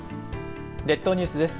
列島ニュースです。